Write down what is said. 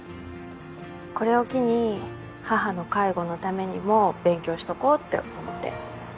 これを機に母の介護のためにも勉強しとこうって思って。